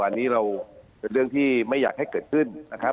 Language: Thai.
อันนี้เราเป็นเรื่องที่ไม่อยากให้เกิดขึ้นนะครับ